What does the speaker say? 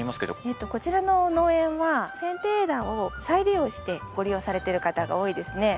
こちらの農園は剪定枝を再利用してご利用されてる方が多いですね。